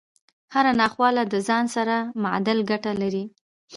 هره ناخواله له ځان سره معادل ګټه لري